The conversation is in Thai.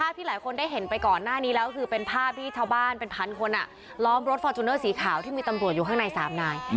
ที่หลายคนได้เห็นไปก่อนหน้านี้แล้วคือเป็นภาพที่ชาวบ้านเป็นพันคนล้อมรถฟอร์จูเนอร์สีขาวที่มีตำรวจอยู่ข้างใน๓นาย